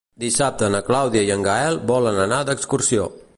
Dissabte na Clàudia i en Gaël volen anar d'excursió.